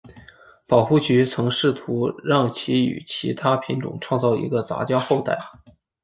保护局曾试图让其与其它品种创造一个杂交后代。